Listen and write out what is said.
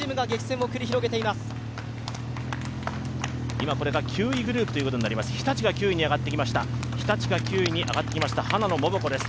今これが９位グループということになります、日立が９位に上がってきました花野桃子です。